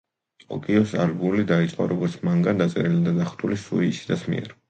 ტოკიოს ალგული დაიწყო როგორც მანგა, დაწერილი და დახატული სუი ისიდას მიერ.